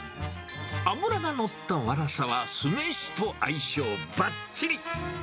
脂が乗ったワラサは、酢飯と相性ばっちり。